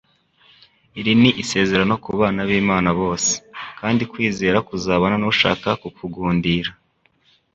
Iri ni isezerano ku bana b'Imana bose, kandi kwizera kuzabana n'ushaka kukugundira.